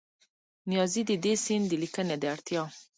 نیازي د دې سیند د لیکنې د اړتیا